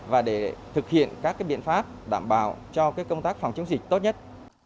và để thực hiện các biện pháp đảm bảo cho công tác phòng chống dịch tốt nhất